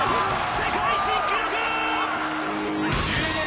世界新記録！